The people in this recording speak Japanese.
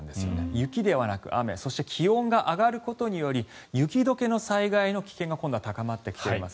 雪ではなく雨そして気温が上がることにより雪解けの災害の危険が今度は高まってきています。